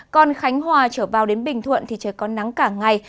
còn khánh hòa trở vào đến bình thuận thì trời có nắng cả ngày